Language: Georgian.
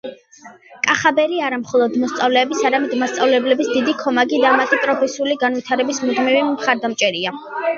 კახაბერი არა მხოლოდ მოსწავლეების, არამედ მასწავლებლების დიდი ქომაგი და მათი პროფესიული განვითარების მუდმივი მხარდამჭერია.